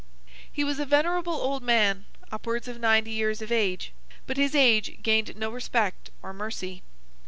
He was a venerable old man, upwards of ninety years of age, but his age gained no respect or mercy.